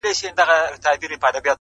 د قهر کاڼی پء ملا باندې راوښويدی’